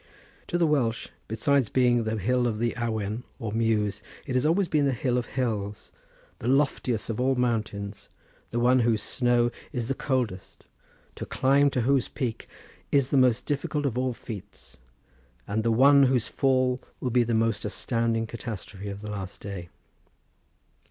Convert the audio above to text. To the Welsh, besides being the hill of the Awen or Muse, it has always been the hill of hills, the loftiest of all mountains, the one whose snow is the coldest, to climb to whose peak is the most difficult of all feats, and the one whose fall will be the most astounding catastrophe of the last day.